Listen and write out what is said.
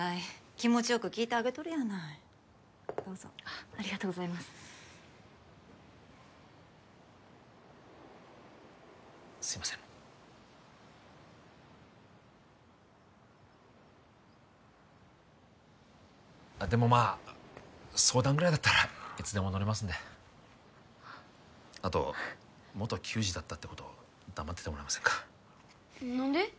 気持ちよく聞いてあげとるやないどうぞあっありがとうございますすいませんあっでもまあ相談ぐらいだったらいつでも乗れますんであと元球児だったってこと黙っててもらえませんか何で？